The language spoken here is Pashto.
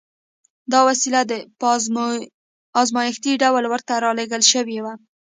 دا وسيله په ازمايښتي ډول ورته را لېږل شوې وه.